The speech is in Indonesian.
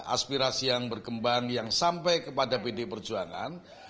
aspirasi yang berkembang yang sampai kepada pd perjuangan